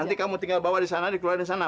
nanti kamu tinggal bawa disana dikeluarin disana